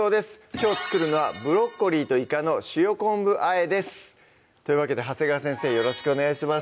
きょう作るのは「プロッコリーといかの塩昆布和え」ですというわけで長谷川先生よろしくお願いします